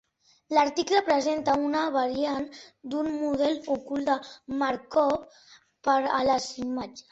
L'article presenta una variant d'un model ocult de Markov per a les imatges.